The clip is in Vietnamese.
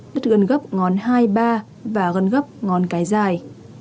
đứt gân gấp ngón hai ba và gân gấp ngón cái dài